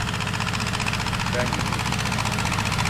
Ben getirdim.